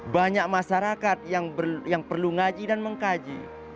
banyak masyarakat yang perlu ngaji dan mengkaji